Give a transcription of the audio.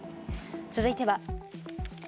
続いては。